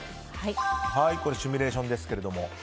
こちらシミュレーションですが。